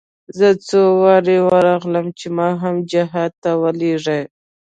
زه څو وارې ورغلم چې ما هم جهاد ته ولېږي.